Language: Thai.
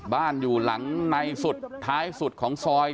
บ้านอยู่หลังในสุดท้ายสุดของซอย